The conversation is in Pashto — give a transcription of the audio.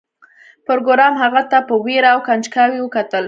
پروګرامر هغه ته په ویره او کنجکاوی وکتل